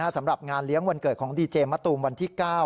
สำหรับงานเลี้ยงวันเกิดของดีเจมะตูมวันที่๙